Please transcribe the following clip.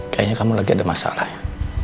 kayaknya kamu lagi ada masalah ya